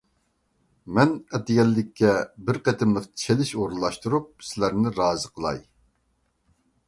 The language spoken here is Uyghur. مەن ئەتىگەنلىككە بىر قېتىملىق چېلىش ئورۇنلاشتۇرۇپ، سىلەرنى رازى قىلاي.